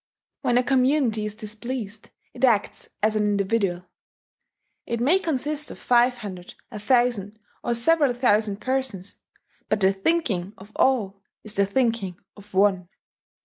When a community is displeased, if acts as an individual. It may consist of five hundred, a thousand, or several thousand persons; but the thinking of all is the thinking of one.